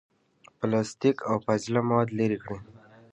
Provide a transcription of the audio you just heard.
پلاستیک، او فاضله مواد لرې کړي.